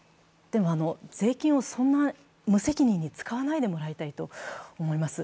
でも税金をそんな無責任に使わないでもらいたいと思います。